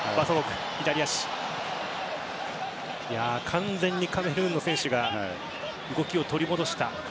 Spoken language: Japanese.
完全にカメルーンの選手が動きを取り戻した。